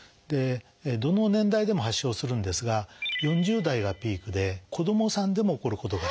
どの年代でも発症するんですが４０代がピークで子どもさんでも起こることが。